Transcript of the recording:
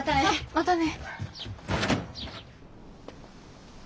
またね。